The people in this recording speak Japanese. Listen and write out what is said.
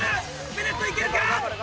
ベネットいけるか？